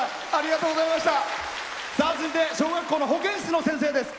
続いて小学校の保健室の先生です。